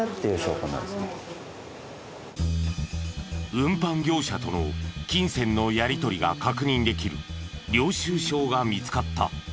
運搬業者との金銭のやりとりが確認できる領収証が見つかった。